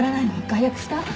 解約した？